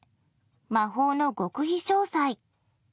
魔法の極秘詳細。